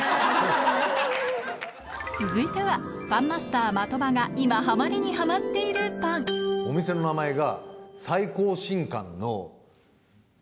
続いてはパンマスター的場が今ハマりにハマっているパンお店の名前が。